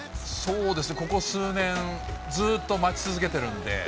ここ数年、ずっと待ち続けてるんで。